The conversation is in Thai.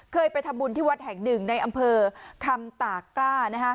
เคยไปทำบุญที่วัดแห่ง๑ในอำเภอค่ำตากล้านะฮะ